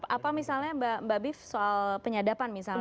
apa misalnya mbak bif soal penyadapan misalnya